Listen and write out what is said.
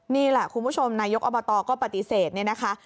นี่แหละคุณผู้ชมนายกอบตก็ปฏิเสธเนี่ยนะคะ